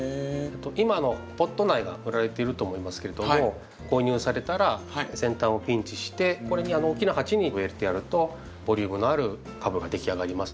今ポット苗が売られていると思いますけれども購入されたら先端をピンチして大きな鉢に植えてやるとボリュームのある株ができ上がります。